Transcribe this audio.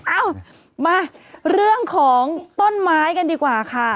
เอ้ามาเรื่องของต้นไม้กันดีกว่าค่ะ